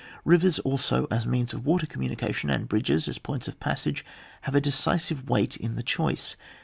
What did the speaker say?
Bivers, also, as means of water com munication, and bridges as points of passage, have a decisive weight in the choice.